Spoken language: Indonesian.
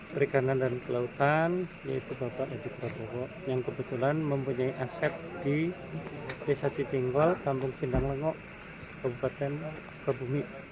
perikanan dan kelautan yaitu bapak edi prabowo yang kebetulan mempunyai aset di desa cijenggol kampung sindang lengok kabupaten sukabumi